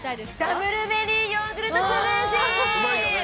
ダブルベリーヨーグルトスムージー！